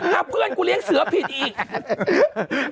ถ้าเพื่อนกูเลี้ยเสือผิดอีก